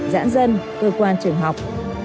giãn dân cơ quan trường học